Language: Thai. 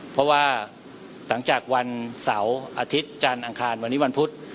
เพราะว่าหลังจากวันเสาร์อาทิตย์จันทร์อังคารวันนี้วันพุธ